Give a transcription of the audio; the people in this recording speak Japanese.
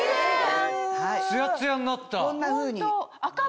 ツヤツヤになった。